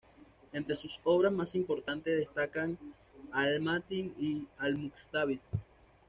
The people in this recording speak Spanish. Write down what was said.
Entre sus obras más importantes destacan "al-Matin" y "al-Muqtabis".